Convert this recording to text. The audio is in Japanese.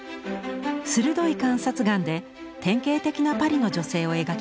鋭い観察眼で典型的なパリの女性を描きました。